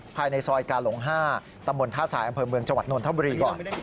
ภายในซอยกาหลง๕ตำบลท่าทรายอำเภอเมืองจังหวัดนทบุรีก่อน